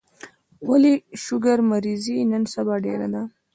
ولي شوګر مريضي نن سبا ډيره ده